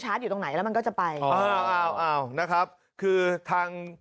อยู่ตรงไหนแล้วมันก็จะไปอ้าวอ้าวนะครับคือทาง